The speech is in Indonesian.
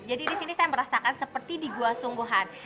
jadi di sini saya merasakan seperti di gua sungguhan